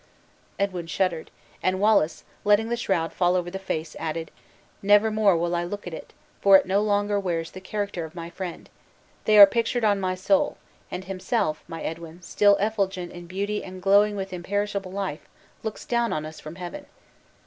Edwin shuddered; and Wallace, letting the shroud fall over the face, added: "Never more will I look at it, for it no longer wears the characters of my friend they are pictured on my soul; and himself, my Edwin, still effulgent in beauty and glowing with imperishable life, looks down on us from heaven!"